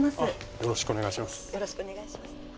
よろしくお願いします。